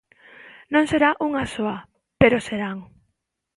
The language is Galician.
Non será unha soa, pero serán.